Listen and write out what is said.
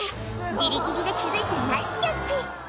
ギリギリで気付いてナイスキャッチ